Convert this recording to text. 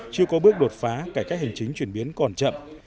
chưa có bước đột phá cải cách hành chính chuyển biến còn chậm